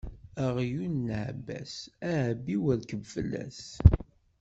Aɣyul n leɛbas, ɛebbi u rkeb fell-as.